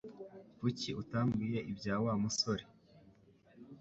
Kuki utambwiye ibya Wa musore